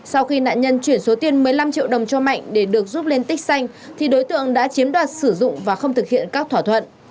sau khi nạn nhân chuyển số tiền một mươi năm triệu đồng cho mạnh để được giúp lên tích xanh thì đối tượng đã chiếm đoạt sử dụng và không thực hiện các thỏa thuận